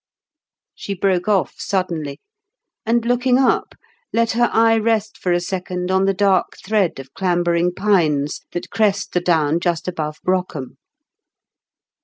'" She broke off suddenly, and looking up, let her eye rest for a second on the dark thread of clambering pines that crest the down just above Brockham.